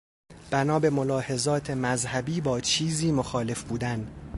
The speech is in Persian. بنا به ملاحظات مذهبی با چیزی مخالف بودن.